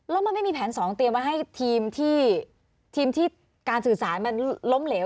แล้วมันไม่มีแผนสองเตรียมไว้ให้ทีมที่การสื่อสารมันล้มเหลว